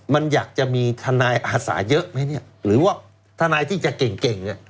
มันอยากจะมีธนายอาสาเยอะไหมเนี่ยหรือว่าธนายที่จะเก่ง